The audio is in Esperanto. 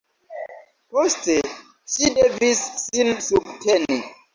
Poste, ŝi devis sin subteni.